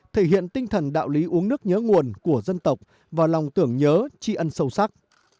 thể hiện tinh thần đạo lý uống nước nhớ nguồn của dân tộc và lòng tưởng nhớ tri ân sâu sắc